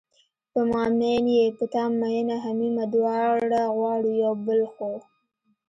په ما میین یې په تا مینه همیمه دواړه غواړو یو بل خو